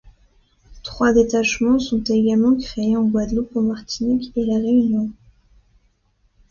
Trois détachements sont également créés en Guadeloupe en Martinique et la Réunion.